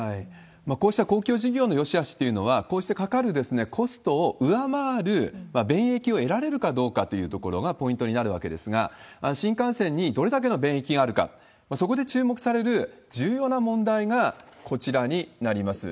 こうした公共事業のよしあしっていうのは、こうしてかかるコストを上回る便益を得られるかどうかというところがポイントになるわけですが、新幹線にどれだけの便益があるか、そこで注目される重要な問題が、こちらになります。